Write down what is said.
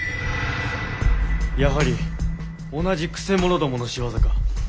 やはり同じ曲者どもの仕業か？